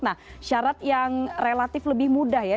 nah syarat yang relatif lebih mudah ya